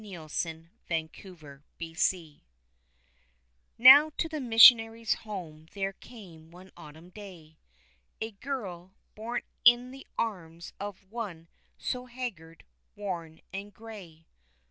] The Indian Girl Now to the missionary's home there came one autumn day, A girl, borne in the arms of one so haggard, worn, and gray.